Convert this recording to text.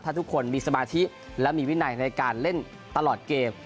ถ้าทุกคนมีสมาธิและมีวินัยในการเล่นตลอดเกม